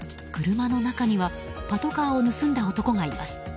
車の中にはパトカーを盗んだ男がいます。